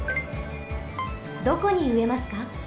どこにうえますか？